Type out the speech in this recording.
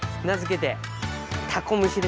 名付けて。